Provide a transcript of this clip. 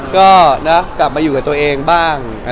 ก็นะกลับมาอยู่กับตัวเองบ้าง